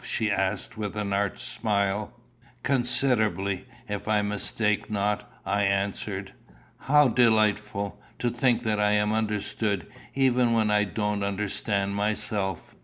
she asked with an arch smile. "Considerably, if I mistake not," I answered. "How delightful! To think that I am understood even when I don't understand myself!"